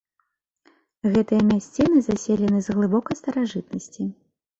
Гэтыя мясціны заселены з глыбокай старажытнасці.